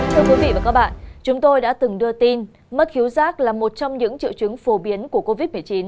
thưa quý vị và các bạn chúng tôi đã từng đưa tin mất thiếu giác là một trong những triệu chứng phổ biến của covid một mươi chín